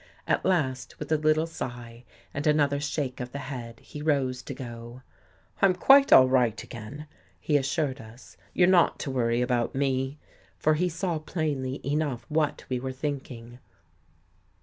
At last, with a little sigh, and another shake of the head, he rose to go. " I'm quite all right again," he assured us. " You're not to worry about me." For he saw plainly enough what we were thinking.